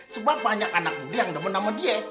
sebab banyak anak muda yang nemuin sama dia